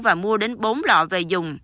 và mua đến bốn lọ về dùng